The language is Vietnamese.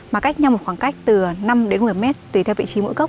mà cách nhau một khoảng cách từ năm đến một mươi mét tùy theo vị trí mỗi cốc